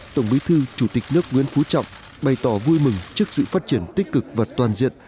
tổng bí thư chủ tịch nước nguyễn phú trọng bày tỏ vui mừng trước sự phát triển tích cực và toàn diện